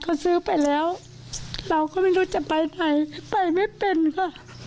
เขาซื้อไปแล้วเราก็ไม่รู้จะไปไหนไปไม่เป็นค่ะ